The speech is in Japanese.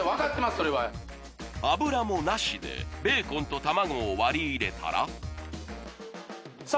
それは油もなしでベーコンと卵を割り入れたらさあ